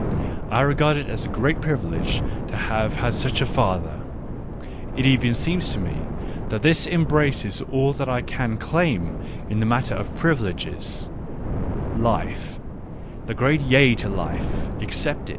I regard it as a great privilege to have had such a father : it even seems to me that this embraces all that I can claim in the matter of privileges — life, the great yea to life, excepted.